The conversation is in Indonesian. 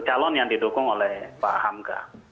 calon yang didukung oleh pak hamka